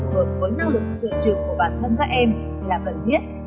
phù hợp với năng lực sửa chừng của bản thân các em là cần thiết